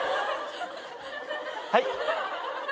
はい？